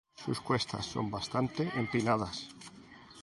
Sus cuestas son bastante empinadas.